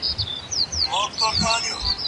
تاسو بايد د خپلو جريانونو فکري ريښې وپېژنئ.